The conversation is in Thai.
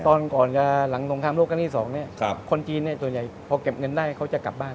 ตอนก่อนหลังสงครามโลกครั้งที่๒เนี่ยคนจีนเนี่ยส่วนใหญ่พอเก็บเงินได้เขาจะกลับบ้าน